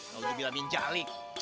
nol jubilah bin calik